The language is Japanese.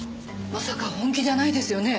まさか本気じゃないですよね？